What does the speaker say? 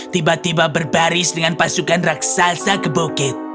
tiba tiba berbaris dengan pasukan raksasa ke boke